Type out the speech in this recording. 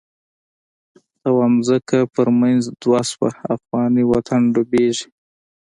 ته وا ځمکه په منځ دوه شوه، افغانی وطن ډوبیږی